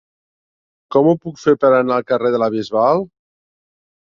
Com ho puc fer per anar al carrer de la Bisbal?